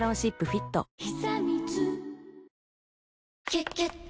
「キュキュット」